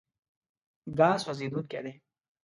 ګاز سوځېدونکی دی.